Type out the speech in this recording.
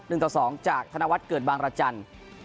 ต่อสองจากธนวัฒน์เกิดบางรจันทร์